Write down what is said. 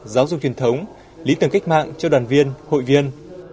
giáo dục truyền thống lý tưởng cách mạng cho đoàn viên hội viên